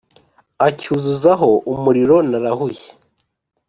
Acyuzuzaho umuriro n arahuye